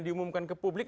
diumumkan ke publik